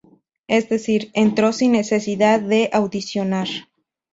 Es decir, entró sin necesidad de audicionar.